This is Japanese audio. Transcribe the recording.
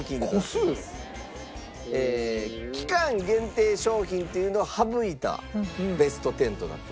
個数？期間限定商品っていうのは省いたベスト１０となってます。